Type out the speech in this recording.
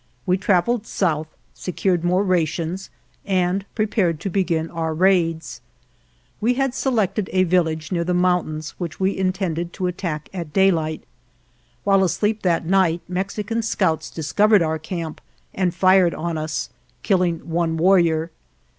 We traveled south, secured 57 GERONIMO more rations, and prepared to begin our raids. We had selected a village near the mountains which we intended to attack at daylight. While asleep that night Mexican scouts discovered our camp and fired on us, killing one warrior.